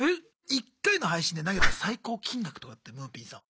１回の配信で投げた最高金額とかってむーぴんさん。